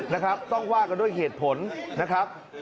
นะครับต้องว่ากันด้วยเหตุผลนะครับ